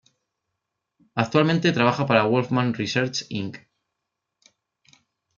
Actualmente trabaja para Wolfram Research, Inc.